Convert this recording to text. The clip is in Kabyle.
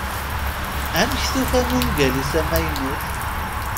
Amek tufam ungal-is amaynut?